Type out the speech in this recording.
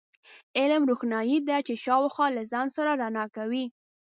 علم، روښنایي ده چې شاوخوا له ځان سره رڼا کوي.